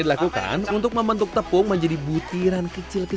jadi setelah ini jadinya seperti ini